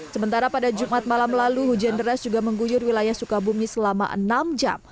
sementara pada jumat malam lalu hujan deras juga mengguyur wilayah sukabumi selama enam jam